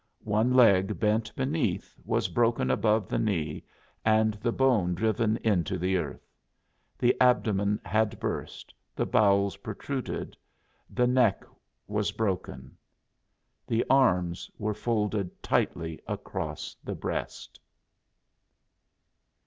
One leg, bent beneath, was broken above the knee and the bone driven into the earth. The abdomen had burst; the bowels protruded. The neck was broken. The arms were folded tightly across the breast.